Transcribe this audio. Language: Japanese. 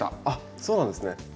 あっそうなんですね。